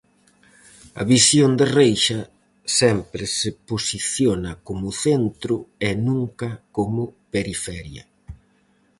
A visión de Reixa sempre se posiciona como centro e nunca como periferia.